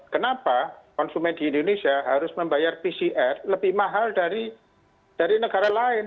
kenapa konsumen di indonesia harus membayar pcr lebih mahal dari negara lain